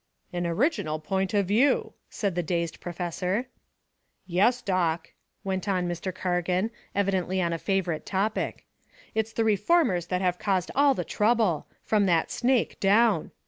"An original point of view," said the dazed professor. "Yes, Doc," went on Mr. Cargan, evidently on a favorite topic, "it's the reformers that have caused all the trouble, from that snake down.